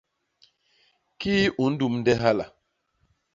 Kii u ndumde hala?